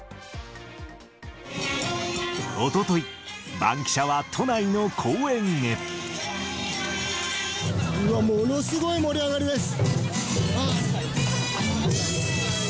おととい、バンキシャは都内うわ、ものすごい盛り上がりです。